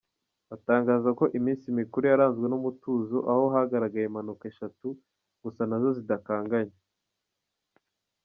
Atangaza ko iminsi mikuru yaranzwe n’umutuzo, aho hagaragaye impanuka eshatu gusa nazo zidakanganye.